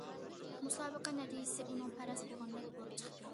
مۇسابىقە نەتىجىسى ئۇنىڭ پەرەز قىلغىنىدەك بولۇپ چىقتى.